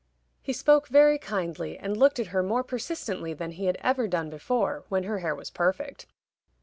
He spoke very kindly, and looked at her more persistently than he had ever done before, when her hair was perfect.